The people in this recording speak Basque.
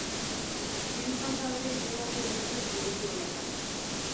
Hiru kantu berri estreinatu dituzte proiektu honetan.